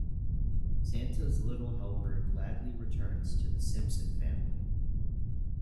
Santa's Little Helper gladly returns to the Simpson family.